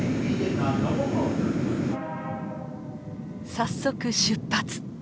早速出発！